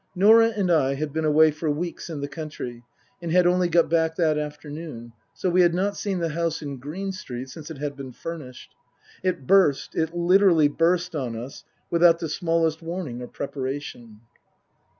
Norah and I had been away for weeks in the country and had only got back that afternoon, so we had not seen the house in Green Street since it had been furnished. It burst, it literally burst, on us, without the smallest warning or preparation.